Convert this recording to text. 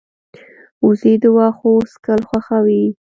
وزې د واښو څکل خوښوي